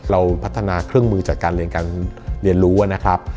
เราพัฒนาเครื่องมือจากการเรียนการเรียนรู้นะครับ